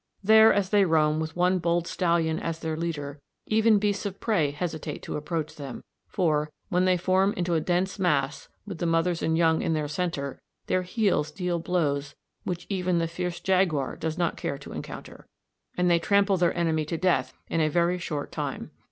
There, as they roam with one bold stallion as their leader, even beasts of prey hesitate to approach them, for, when they form into a dense mass with the mothers and young in their centre, their heels deal blows which even the fierce jaguar does not care to encounter, and they trample their enemy to death in a very short time.